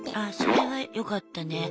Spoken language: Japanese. あそれはよかったね。